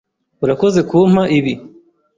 Urakoze kumpa ibi.